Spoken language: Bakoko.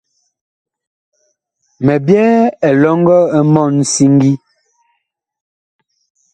Mi byɛɛ elɔŋgɔ mɔɔn siŋgi.